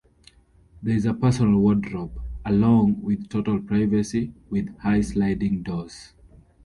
There is a personal wardrobe, along with total privacy with high sliding doors.